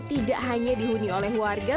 tidak hanya dihuni oleh warga